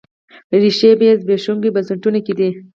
ریښې یې په زبېښونکو بنسټونو کې دي.